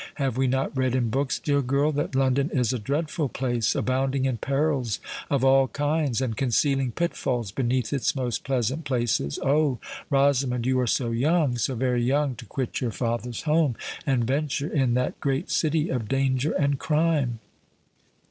Have we not read in books, dear girl, that London is a dreadful place—abounding in perils of all kinds, and concealing pit falls beneath its most pleasant places? Oh! Rosamond, you are so young—so very young to quit your father's home and venture in that great city of danger and crime!"